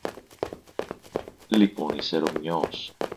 Λοιπόν είσαι Ρωμιός